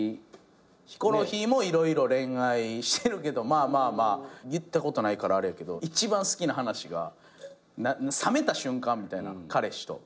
ヒコロヒーも色々恋愛してるけど言ったことないからあれやけど一番好きな話が冷めた瞬間みたいな彼氏と。